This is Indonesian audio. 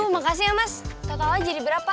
makasih ya mas totalnya jadi berapa